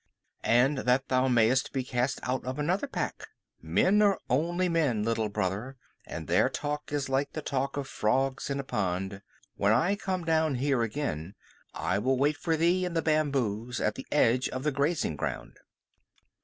"And that thou mayest be cast out of another pack. Men are only men, Little Brother, and their talk is like the talk of frogs in a pond. When I come down here again, I will wait for thee in the bamboos at the edge of the grazing ground."